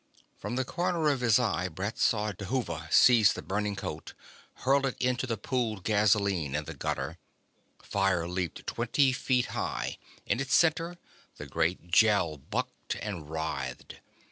From the corner of his eye, Brett saw Dhuva seize the burning coat, hurl it into the pooled gasoline in the gutter. Fire leaped twenty feet high; in its center the great Gel bucked and writhed.